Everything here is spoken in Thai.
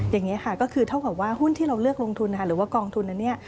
อย่างนี้ค่ะก็คือเท่ากับว่าหุ้นที่เราเลือกลงทุนหรือว่ากองทุนนั้นเนี่ย